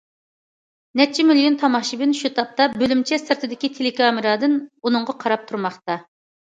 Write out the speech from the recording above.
نەچچە مىليون تاماشىبىن شۇ تاپتا بۆلۈمچە سىرتىدىكى تېلېكامېرادىن ئۇنىڭغا قاراپ تۇرماقتا.